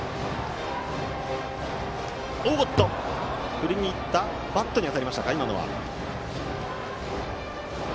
振りに行ったバットに当たりました。